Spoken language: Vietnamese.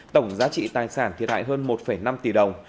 tổng giá trị tài sản thiệt hại hơn một năm tỷ đồng